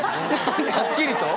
はっきりと？